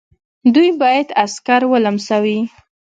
دوی باید عسکر ولمسوي.